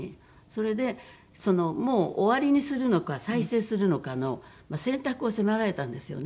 それでもう終わりにするのか再生するのかの選択を迫られたんですよね。